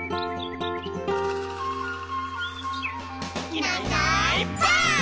「いないいないばあっ！」